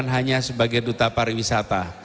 hanya sebagai duta pariwisata